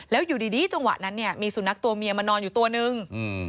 แล้วอยู่ดีจังหวะนั้นเนี่ยมีสุนัขตัวเมียมานอนอยู่ตัวนึง